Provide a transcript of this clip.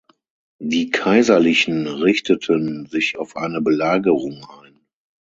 Die Kaiserlichen richteten sich auf eine Belagerung ein.